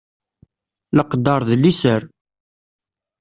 Leqder d liser.